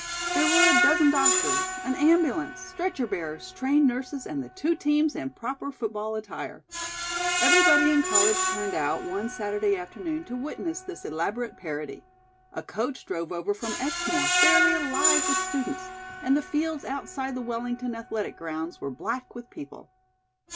There were a dozen doctors, an ambulance, stretcher bearers, trained nurses and the two teams in proper football attire. Everybody in college turned out one Saturday afternoon to witness this elaborate parody. A coach drove over from Exmoor fairly alive with students, and the fields outside the Wellington athletic grounds were black with people.